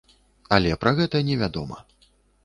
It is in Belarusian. Але пра гэта не вядома.